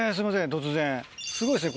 突然すごいですね